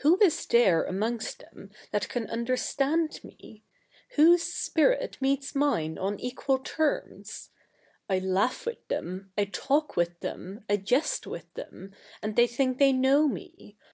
Who is there amongst them that can understand vie ? ivhose spirit meets mine on equal terms ? I laugh with them, I talk with them, I jest with them, and they think they k?iow me.